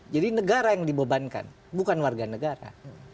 jadi negara yang dibebankan bukan warga negara